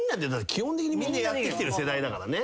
基本的にみんなやってきてる世代だからね。